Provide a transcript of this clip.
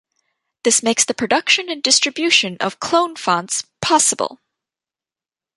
This makes the production and distribution of clone fonts possible.